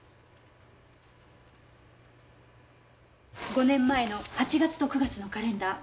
５年前の８月と９月のカレンダー。